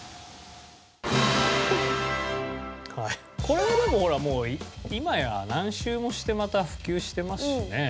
これはでもほら今や何周もしてまた普及してますしね。